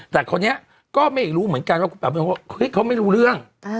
แต่คนนี้ก็ไม่รู้เหมือนกันว่าคุณปราบประดนเขาไม่รู้เรื่อง